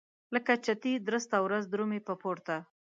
لکه چتي درسته ورځ درومي په پورته.